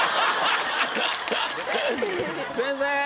先生！